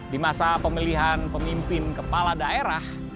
di masa pemilihan pemimpin kepala daerah